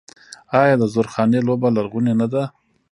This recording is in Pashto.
آیا د زورخانې لوبه لرغونې نه ده؟